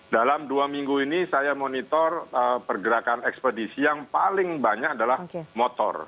dalam dua minggu ini saya monitor pergerakan ekspedisi yang paling banyak adalah motor